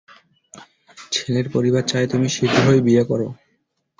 ছেলের পরিবার চায় তুমি শীঘ্রই বিয়ে করো।